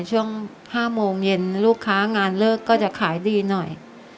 ช่วง๕โมงเย็นลูกค้างานเลิกก็จะขายดีหน่อย